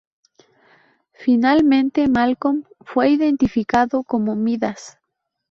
Finalmente Malcom fue identificado como Midas.